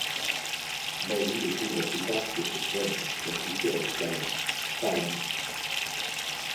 Naomi découvre plus tard que c'est Jen qui a couché avec Liam, pas Annie.